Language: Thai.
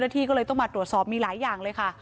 ที่ก็เลยต้องมาตรวจสอบมีหลายอย่างเลยค่ะ